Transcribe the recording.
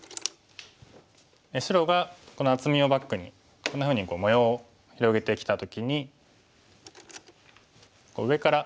白がこの厚みをバックにこんなふうに模様を広げてきた時に上から。